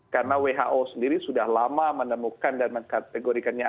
karena who sendiri sudah lama menemukan dan mengkategorikannya